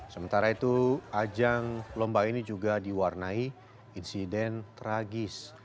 sementara itu ajang lomba ini juga diwarnai insiden tragis